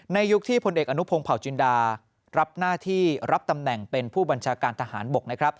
ยุคที่พลเอกอนุพงศ์เผาจินดารับหน้าที่รับตำแหน่งเป็นผู้บัญชาการทหารบกนะครับ